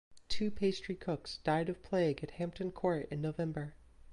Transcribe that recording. Two pastry cooks died of plague at Hampton Court in November.